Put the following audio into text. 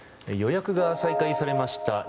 予約が再開されました